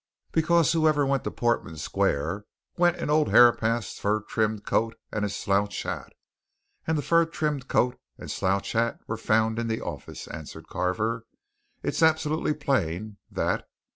"Because whoever went to Portman Square went in old Herapath's fur trimmed coat and his slouch hat, and the fur trimmed coat and slouch hat were found in the office," answered Carver. "It's absolutely plain, that.